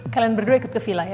kalian berdua ikut ke villa ya